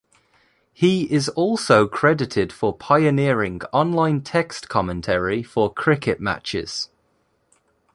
He is also credited for pioneering online text commentary for cricket matches.